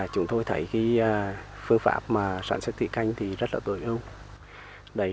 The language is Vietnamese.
chúng tôi thấy phương pháp sản xuất thủy canh rất tối ưu